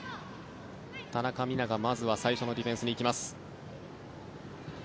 田中美南がまずは最初のディフェンスに行きます。